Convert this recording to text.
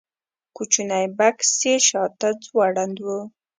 کوچنی بکس یې شاته ځوړند و.